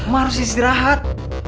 ma harus istirahat